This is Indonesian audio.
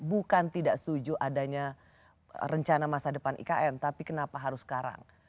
bukan tidak setuju adanya rencana masa depan ikn tapi kenapa harus sekarang